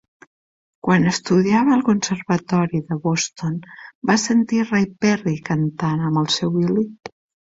Quan estudiava al Conservatori de Boston, va sentir Ray Perry cantant amb el seu violí.